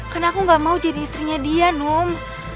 karena aku gak mau jadi istrinya dia num